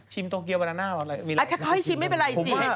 ชิมโตเกียววาลาน่าหรอมีอะไรอ่ะถ้าเขาให้ชิมไม่เป็นไรสิ